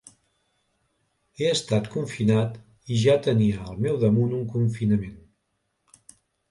He estat confinat i ja tenia al meu damunt un confinament.